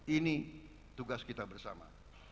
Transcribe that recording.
ini tugas kita bersama